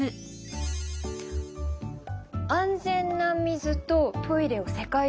「安全な水とトイレを世界中に」だね。